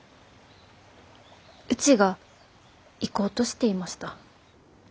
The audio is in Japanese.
うちが行こうとしていました。